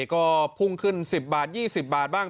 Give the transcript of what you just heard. ก็พุ่งขึ้น๑๐บาท๒๐บาทบ้าง